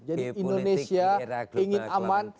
jadi indonesia ingin aman